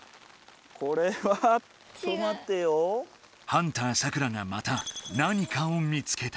ハンターサクラがまた何かを見つけた。